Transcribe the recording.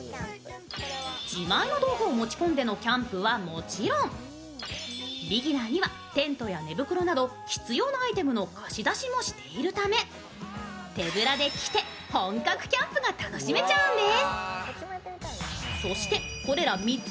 自慢の道具を持ち込んでのキャンプはもちろん、ビギナーにはテントや寝袋など、必要なアイテムの貸し出しもしているため、手ぶらで来て、本格キャンプが楽しめちゃうんです。